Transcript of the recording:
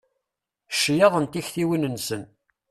Ccyaḍ n tektiwin-nsen.